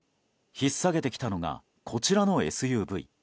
引っさげてきたのがこちらのＳＵＶ。